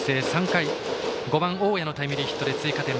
３回に５番、大矢のタイムリーヒットで追加点。